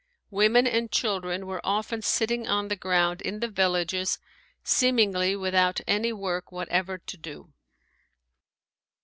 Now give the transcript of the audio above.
Women and children were often sitting on the ground in the villages, seemingly without any work whatever to do.